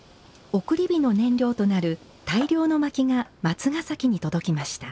送り火の燃料となる大量のまきが松ヶ崎に届きました。